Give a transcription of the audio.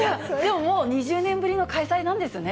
もう２０年ぶりの開催なんですね。